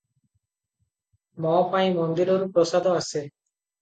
ମୋ ପାଇଁ ମନ୍ଦିରରୁ ପ୍ରସାଦ ଆସେ ।